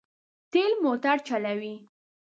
تېل موټر چلوي.